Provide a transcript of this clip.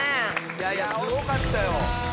いやいやすごかったよ！